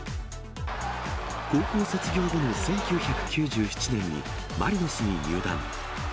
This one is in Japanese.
高校卒業後の１９９７年に、マリノスに入団。